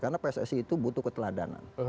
karena pssi itu butuh keteladanan